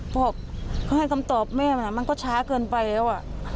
บอกเขาให้คำตอบแม่มันมันก็ช้าเกินไปแล้ว